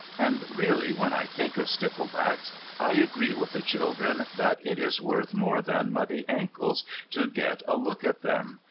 And really, when I think of sticklebacks, I agree with the children that it is worth more than muddy ankles to get a look at them.